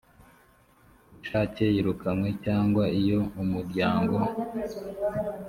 bushake yirukanywe cyangwa iyo umuryango